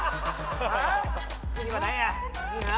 次は何や？